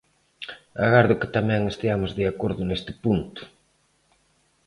Agardo que tamén esteamos de acordo neste punto.